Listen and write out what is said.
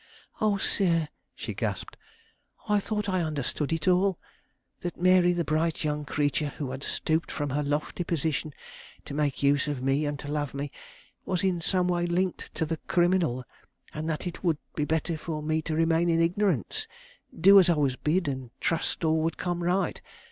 "Oh, sir," she gasped, "I thought I understood it all; that Mary, the bright young creature, who had stooped from her lofty position to make use of me and to love me, was in some way linked to the criminal, and that it would be better for me to remain in ignorance, do as I was bid, and trust all would come right.